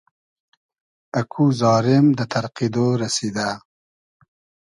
اکو زارېم دۂ تئرقیدۉ رئسیدۂ